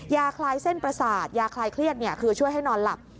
คลายเส้นประสาทยาคลายเครียดคือช่วยให้นอนหลับ